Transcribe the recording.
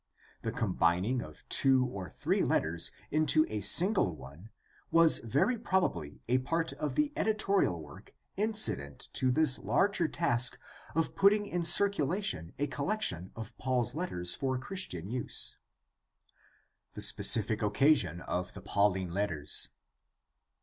The combining of two or three letters into a single one was very probably a part of the editorial work incident 1 88 GUIDE TO STUDY OF CHRISTIAN RELIGION to this larger task of putting in circulation a collection of Paul's letters for Christian use. The specific occasion of the Pauline letters.